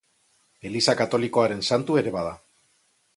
Eliza Katolikoaren santu ere bada.